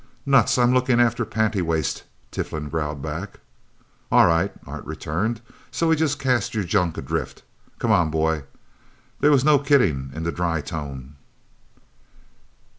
"Nuts I'm looking after Pantywaist," Tiflin growled back. "Awright," Art returned. "So we just cast your junk adrift! Come on, boy!" There was no kidding in the dry tone.